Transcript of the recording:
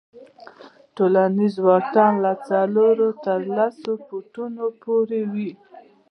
ټولنیز واټن له څلورو تر لسو فوټو پورې وي.